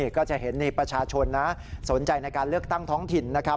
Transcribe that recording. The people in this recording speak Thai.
ก็จะเห็นประชาชนนะสนใจในการเลือกตั้งท้องถิ่นนะครับ